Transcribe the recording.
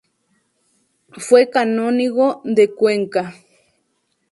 Fue canónigo de Cuenca.